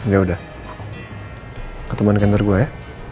ya udah ketemu di kantor gue ya